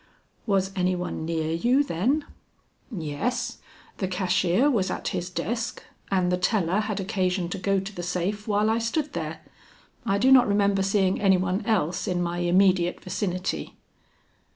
"Was any one near you then?" "Yes. The cashier was at his desk and the teller had occasion to go to the safe while I stood there. I do not remember seeing any one else in my immediate vicinity."